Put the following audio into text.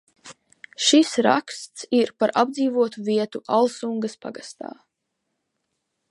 Šis raksts ir par apdzīvotu vietu Alsungas pagastā.